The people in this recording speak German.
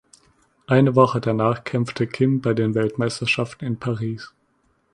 Eine Woche danach kämpfte Kim bei den Weltmeisterschaften in Paris.